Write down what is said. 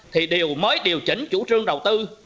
thì điều mới điều chỉnh chủ trương đầu tư